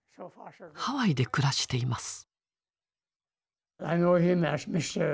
ハワイで暮らしています。